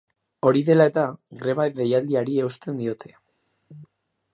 Hori dela eta, greba deialdiari eusten diote.